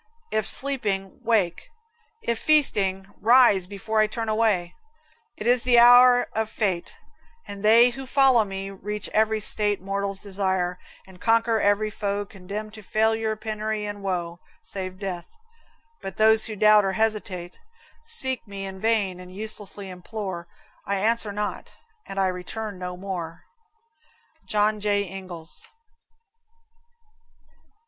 If sleeping, wake if feasting, rise before I turn away. It is the hour of fate, And they who follow me reach every state Mortals desire, and conquer every foe Condemned to failure, penury, and woe. Save death; but those who doubt or hesitate, Seek me in vain and uselessly implore: I answer not, and I return no more. John J. Ingalls.